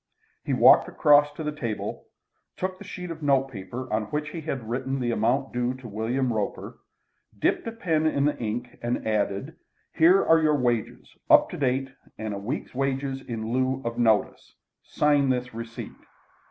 He walked across to the table, took the sheet of notepaper on which he had written the amount due to William Roper, dipped a pen in the ink, and added: "Here are your wages up to date, and a week's wages in lieu of notice. Sign this receipt."